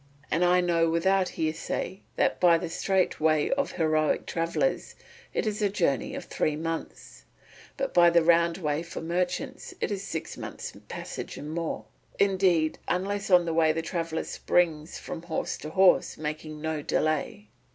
And I know without hearsay that by the straight way for heroic travellers it is a journey of three months, but by the round way for merchants it is a six months' passage and more, indeed, unless on the way the traveller springs from horse to horse, making no delay."